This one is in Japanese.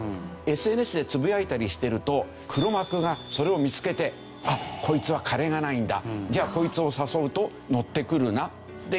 ＳＮＳでつぶやいたりしてると黒幕がそれを見つけて「あっこいつは金がないんだ」「じゃあこいつを誘うとのってくるな」っていって。